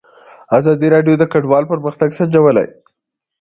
ازادي راډیو د کډوال پرمختګ سنجولی.